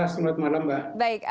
selamat malam mbak